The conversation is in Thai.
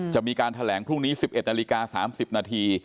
จะมีการแถลงพรุ่งนี้๑๑นาฬิกา๓๐นาที